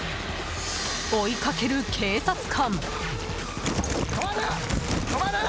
追いかける警察官。